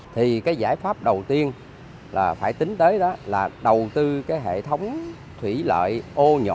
thì cái giải pháp đầu tiên là phải tính tới đó là đầu tư cái hệ thống thủy lợi ô nhỏ